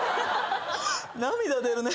涙出るね。